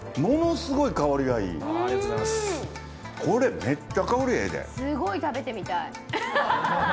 すごい食べてみたい。